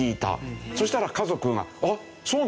そしたら家族が「あっそうなの？